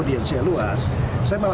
sebenarnya kita harus kembali